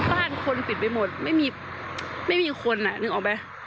บ้านคนปิดไปหมดไม่มีคนนึกออกไหม